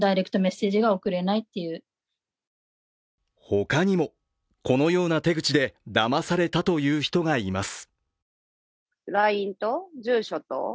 他にも、このような手口で、だまされたという人がいます。